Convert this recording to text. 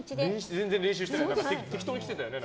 全然練習してない。